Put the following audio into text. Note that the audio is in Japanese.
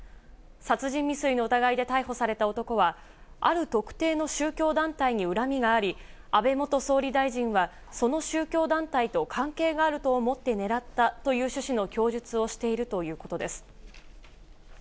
殺人未遂の疑いで逮捕された男は、ある特定の宗教団体に恨みがあり、安倍元総理大臣はその宗教団体と関係があると思って狙ったという趣旨の供述をしているということです。